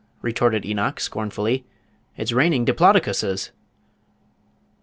retorted Enoch, scornfully. "It's raining Diplodocuses!"